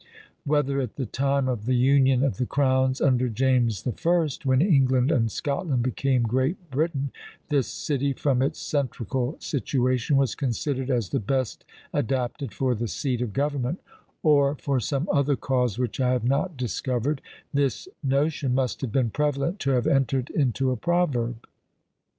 _ Whether at the time of the union of the crowns, under James the First, when England and Scotland became Great Britain, this city, from its centrical situation, was considered as the best adapted for the seat of government, or for some other cause which I have not discovered, this notion must have been prevalent to have entered into a proverb.